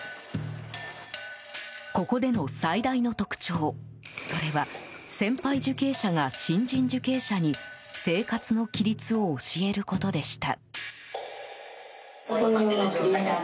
ここでの最大の特徴、それは先輩受刑者が新人受刑者に生活の規律を教えることでした。